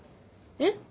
えっ？